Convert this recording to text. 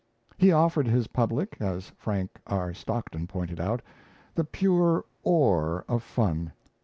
He offered his public, as Frank R. Stockton pointed out, the pure ore of fun.